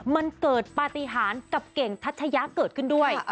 มันเกิดปฏิหารกับเก่งทัชยะเกิดขึ้นด้วย